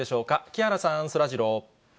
木原さん、そらジロー。